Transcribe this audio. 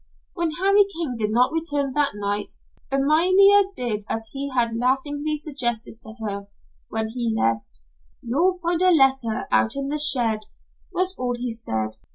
When Harry King did not return that night, Amalia did as he had laughingly suggested to her, when he left, "You'll find a letter out in the shed," was all he said.